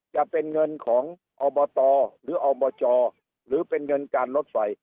จะเป็นเงินของอบตหรืออบจหรือเป็นเงินการรถไฟ